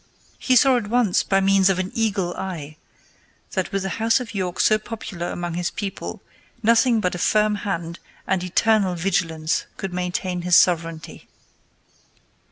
He saw at once by means of an eagle eye that with the house of York so popular among his people, nothing but a firm hand and eternal vigilance could maintain his sovereignty.